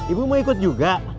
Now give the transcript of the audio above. ibu mau ikut juga